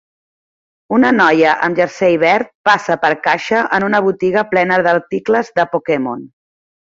Una noia amb jersei verd passa per caixa en una botiga plena d'articles de Pokémon